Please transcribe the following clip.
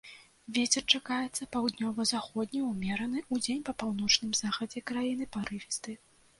Вецер чакаецца паўднёва-заходні ўмераны, удзень па паўночным захадзе краіны парывісты.